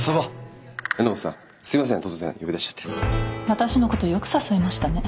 私のことよく誘えましたね。